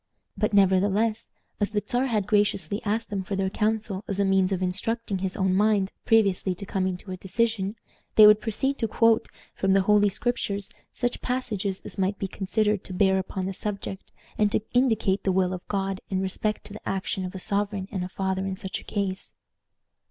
But nevertheless, as the Czar had graciously asked them for their counsel as a means of instructing his own mind previously to coming to a decision, they would proceed to quote from the Holy Scriptures such passages as might be considered to bear upon the subject, and to indicate the will of God in respect to the action of a sovereign and father in such a case.